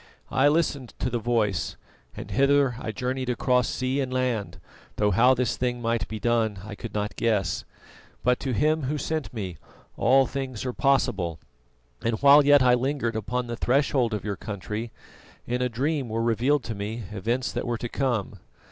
I listened to the Voice, and hither I journeyed across sea and land, though how this thing might be done I could not guess. But to Him Who sent me all things are possible, and while yet I lingered upon the threshold of your country, in a dream were revealed to me events that were to come.